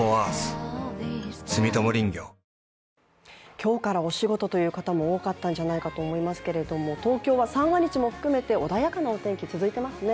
今日からお仕事という方も多かったんじゃないかと思いますけれども東京は三が日も含めて穏やかなお天気、続いてますね。